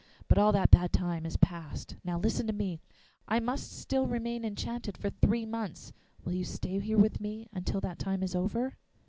But all that bad time is past. Now listen to me: I must still remain enchanted for three months. Will you stay here with me till that time is over?